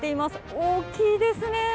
大きいですね。